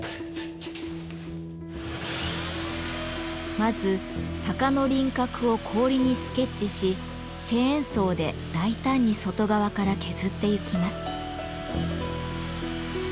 まず鷹の輪郭を氷にスケッチしチェーンソーで大胆に外側から削ってゆきます。